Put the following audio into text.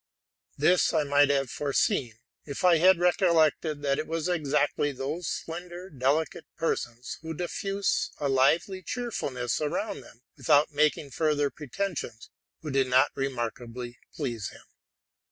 This I might have foreseen, if I had recol lected that it was exactly those slender, delicate persons who diffuse a lively cheerfulness around them, without making 140 TRUTH AND FICTION further pretensions, who did not remarkably please him.